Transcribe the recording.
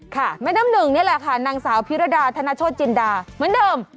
แม่น้ำหนึ่งนี่แหละค่ะนางสาวพิรดาธนโชธจินดาเหมือนเดิม